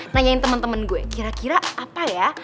nanyain temen temen gue kira kira apa ya